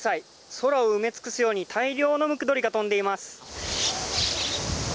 空を埋め尽くすように大量のムクドリが飛んでいます。